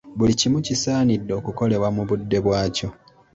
Buli kimu kisaanidde okukolebwa mu budde bw’akyo.